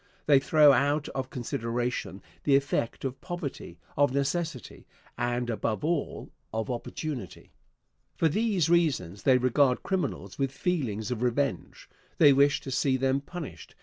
They throw out of consideration the effect of poverty, of necessity, and above all, of opportunity. For these reasons they regard criminals with feelings of revenge. They wish to see them punished.